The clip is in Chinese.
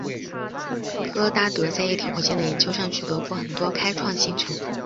戈达德在液体火箭的研究上取得过很多开创性成果。